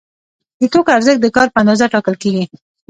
د توکو ارزښت د کار په اندازه ټاکل کیږي.